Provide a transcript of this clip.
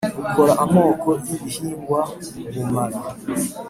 ukora amoko y ibihingwa bumara